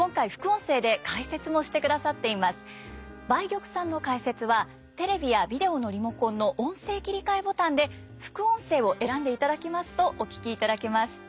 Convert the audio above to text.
梅玉さんの解説はテレビやビデオのリモコンの「音声切替」ボタンで副音声を選んでいただきますとお聞きいただけます。